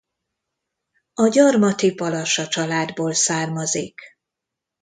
A gyarmati Balassa családból származik.